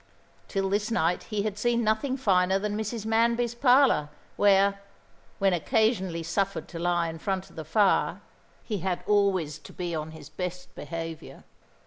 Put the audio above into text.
Till this night he had seen nothing finer than Mrs. Manby's parlour, where when occasionally suffered to lie in front of the fire he had always to be on his best behaviour.